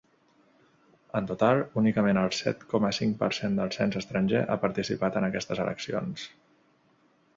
En total, únicament el set coma cinc per cent del cens estranger ha participat en aquestes eleccions.